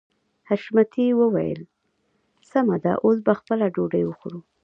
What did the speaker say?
حشمتي وويل سمه ده اوس به خپله ډوډۍ وخورو.